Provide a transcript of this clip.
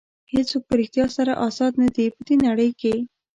هېڅوک په ریښتیا سره ازاد نه دي په دې نړۍ کې.